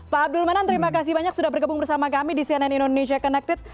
pak abdul manan terima kasih banyak sudah bergabung bersama kami di cnn indonesia connected